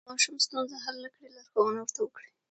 که ماشوم ستونزه حل نه کړي، لارښوونه ورته وکړئ.